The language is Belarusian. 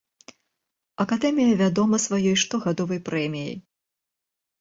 Акадэмія вядома сваёй штогадовай прэміяй.